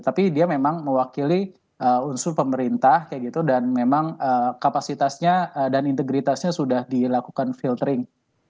tapi dia memang mewakili unsur pemerintah kayak gitu dan memang kapasitasnya dan integritasnya sudah dilakukan filtering